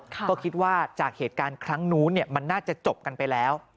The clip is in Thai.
ก็คิดว่าจากเหตุการณ์ครั้งนู้นมันน่าจะจบกันไปแล้ว